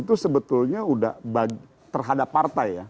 itu sebetulnya udah terhadap partai ya